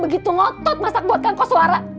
begitu ngotot masa buatkan kos suara